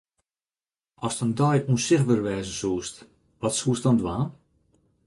Ast in dei ûnsichtber wêze soest, wat soest dan dwaan?